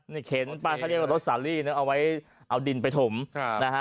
นี่เข็นป้านเขาเรียกว่าเอาไว้เอาดินไปถมครับนะฮะ